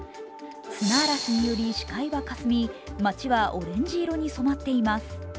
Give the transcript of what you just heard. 砂嵐により視界はかすみ街はオレンジ色に染まっています。